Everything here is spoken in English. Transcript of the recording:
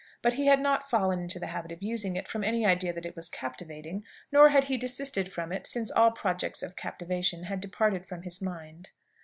But he had not fallen into the habit of using it from any idea that it was captivating, nor had he desisted from it since all projects of captivation had departed from his mind.